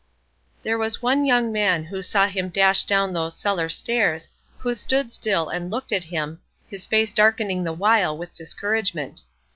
There was one young man who saw him dash down those cellar stairs, who stood still and looked at him, his face darkening the while with discouragement.